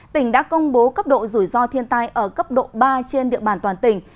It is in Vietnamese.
tỉnh đã công bố cấp độ rủi ro thiên tai ở cấp độ ba trên địa bàn toàn tỉnh